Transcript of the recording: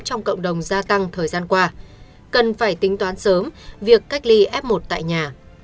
trong cộng đồng gia tăng thời gian qua cần phải tính toán sớm việc cách ly f một tại nhà